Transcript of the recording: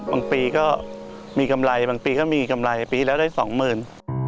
ปีก็มีกำไรบางปีก็มีกำไรปีแล้วได้สองหมื่น